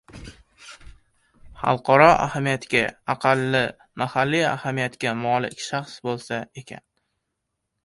— Xalqaro ahamiyatga, aqalli mahalliy ahamiyatga molik shaxs bo‘lsa ekan